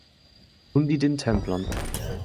Lundy den Templern.